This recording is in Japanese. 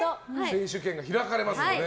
選手権が開かれますのでね。